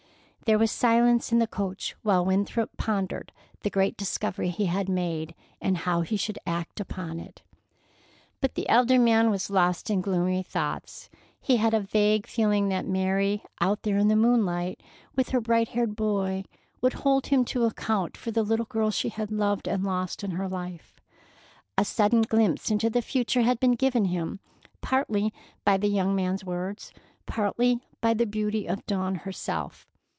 There was silence in the coach while Winthrop pondered the great discovery he had made, and how he should act upon it. But the elder man was lost in gloomy thoughts. He had a vague feeling that Mary, out there in the moonlight with her bright haired boy, would hold him to account for the little girl she had loved and lost in life. A sudden glimpse into the future had been given him, partly by the young man's words, partly by the beauty of Dawn herself.